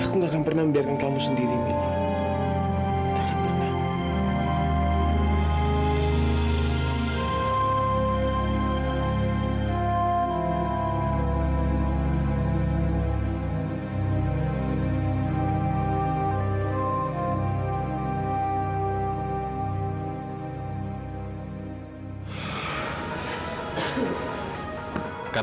aku gak akan pernah membiarkan kamu sendiri mila